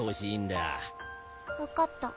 分かった